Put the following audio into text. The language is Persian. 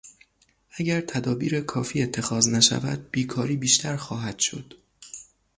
اگر تدابیر کافی اتخاذ نشود بیکاری بیشتر خواهد شد.